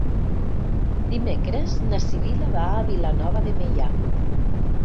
Dimecres na Sibil·la va a Vilanova de Meià.